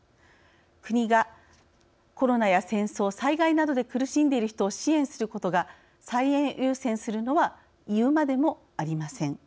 国が、コロナや戦争、災害などで苦しんでいる人を支援することが最優先するのは言うまでもありません。